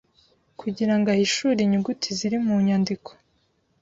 kugira ngo ahishure inyuguti ziri mu nyandiko